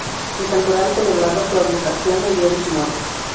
El santoral celebraba su advocación el día de su muerte.